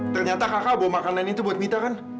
ternyata kakak bawa makanan itu buat mita kan